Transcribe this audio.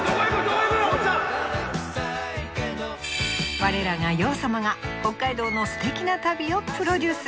我らが洋さまが北海道のすてきな旅をプロデュース。